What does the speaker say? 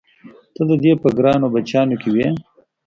ته د دې په ګرانو بچیانو کې وې؟